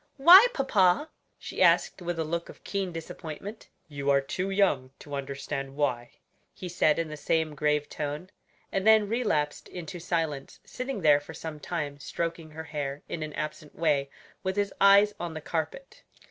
"Why, papa?" she asked with a look of keen disappointment. "You are too young to understand why," he said in the same grave tone, and then relapsed into silence; sitting there for some time stroking her hair in an absent way, with his eyes on the carpet.